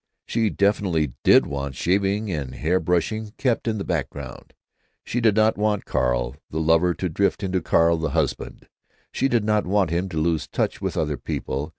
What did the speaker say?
She definitely did want shaving and hair brushing kept in the background. She did not want Carl the lover to drift into Carl the husband. She did not want them to lose touch with other people.